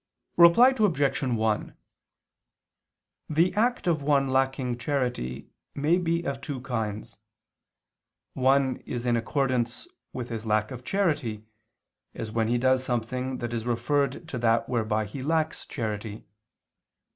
Reply Obj. 1: The act of one lacking charity may be of two kinds; one is in accordance with his lack of charity, as when he does something that is referred to that whereby he lacks charity.